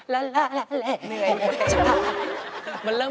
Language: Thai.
ลาลาลาลาเหนื่อย